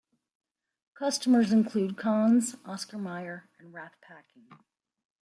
Customers included Kahns, Oscar Mayer, and Rath Packing.